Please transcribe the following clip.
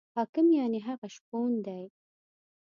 حاکم یعنې هغه شپون دی.